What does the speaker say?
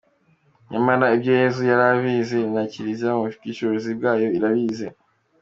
Nyamara ibyo Yezu yari abizi, na Kiliziya mu bushishozi bwayo irabizi.